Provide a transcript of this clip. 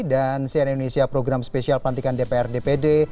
dan cn indonesia program spesial perhentikan dpr dpd